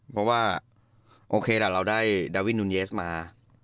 เพราะว่าโอเคล่ะเราได้ดาวินนุนเยสมา